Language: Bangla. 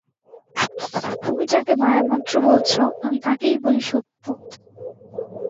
তুমি যাকে মায়ামন্ত্র বলছ আমি তাকেই বলি সত্য।